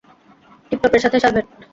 টিপটপের সাথে শারভেট।